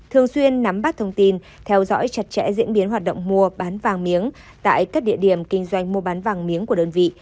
thường xuyên nắm bắt thông tin theo dõi chặt chẽ diễn biến hoạt động mua bán vàng miếng tại các địa điểm kinh doanh mua bán vàng miếng của đơn vị